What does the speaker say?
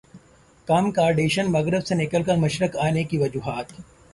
کم Kardashian مغرب سے نکل کر مشرق انے کی خواہاں